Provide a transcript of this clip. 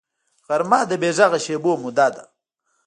غرمه د بېغږه شېبو موده ده